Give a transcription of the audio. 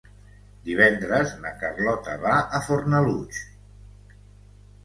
Divendres na Carlota va a Fornalutx.